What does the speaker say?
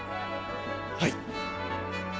はい。